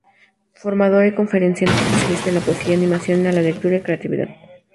Formadora y conferenciante especializada en poesía, animación a la lectura y creatividad.